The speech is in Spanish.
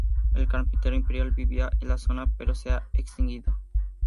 El carpintero imperial vivía en la zona, pero se ha extinguido.